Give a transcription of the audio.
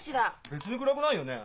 別に暗くないよね。